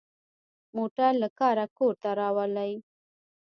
موټر له کاره کور ته راولي.